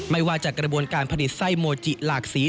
ไม่ว่าจากกระบวนการผลิตไส้โมจิหลากสี